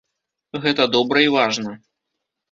Гэта добра і важна.